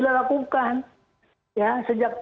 dilakukan ya sejak